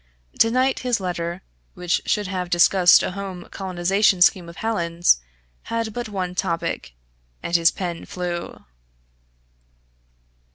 To night his letter, which should have discussed a home colonisation scheme of Hallin's, had but one topic, and his pen flew.